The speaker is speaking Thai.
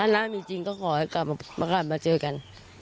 ค่ะแล้วถ้าจริงก็ขอให้กลับมาเจอกัน